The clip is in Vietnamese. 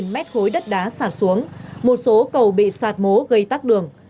bốn mươi mét khối đất đá sạt xuống một số cầu bị sạt mố gây tắt đường